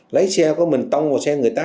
lái xe có mình tông vào xe người ta